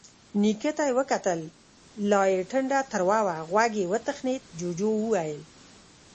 نيکه ته يې وکتل، لا يې ټنډه تروه وه. غوږ يې وتخڼېد، جُوجُو وويل: